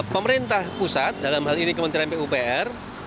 pemerintah pusat dalam hal ini kementerian pupr